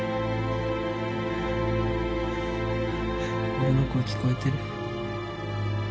俺の声聞こえてる？